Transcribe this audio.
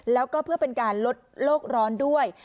แล้วก็เพื่อเป็นการลดโลกร้อนด้วย